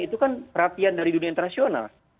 itu kan rapian dari dunia internasional